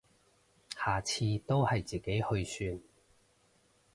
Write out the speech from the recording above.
下次都係自己去算